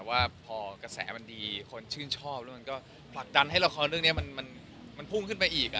ว่าพอกระแสมันดีคนชื่นชอบแล้วมันก็ผลักดันให้ละครเรื่องนี้มันพุ่งขึ้นไปอีก